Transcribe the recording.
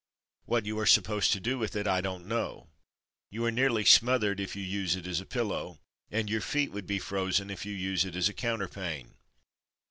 What you are supposed to do with it, I don't know. You are nearly smothered if you use it as a pillow, and your feet would be frozen, if you use it as a counterpane.